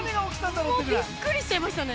びっくりしちゃいましたね。